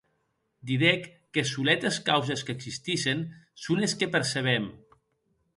Didec qu'es soletes causes qu'existissen son es que percebem.